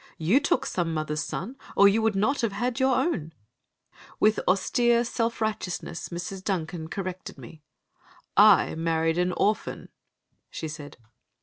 "You took some mother's son, or you would not have had your own." With austere self righteousness Mrs. Duncan corrected me. "I married an orphan," she said.